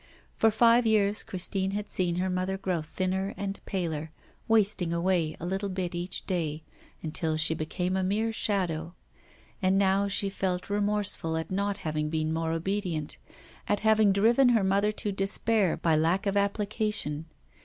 For five years Christine had seen her mother grow thinner and paler, wasting away a little bit each day until she became a mere shadow. And now she felt remorseful at not having been more obedient, at having driven her mother to despair by lack of application.